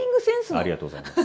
ありがとうございます。